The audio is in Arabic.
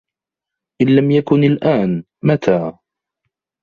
ان لم يكن الان, متى؟